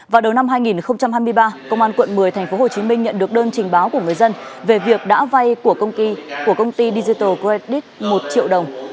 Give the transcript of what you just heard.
vào đầu năm hai nghìn hai mươi ba công an quận một mươi tp hcm nhận được đơn trình báo của người dân về việc đã vay của công ty của công ty digital credit một triệu đồng